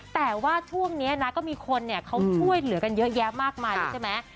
แต่ว่าช่วงนี้นะก็มีคนเนี่ยเขาช่วยเหลือกันเยอะแยะมากมายเลยใช่ไหม